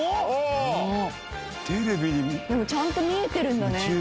ちゃんと見えてるんだね